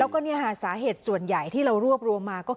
แล้วก็สาเหตุส่วนใหญ่ที่เรารวบรวมมาก็คือ